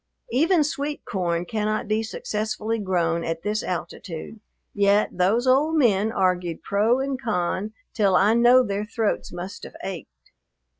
Even sweet corn cannot be successfully grown at this altitude, yet those old men argued pro and con till I know their throats must have ached.